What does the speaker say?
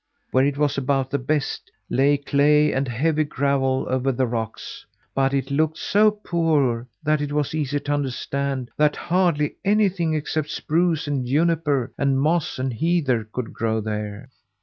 Where it was about the best, lay clay and heavy gravel over the rocks, but it looked so poor that it was easy to understand that hardly anything except spruce and juniper and moss and heather could grow there.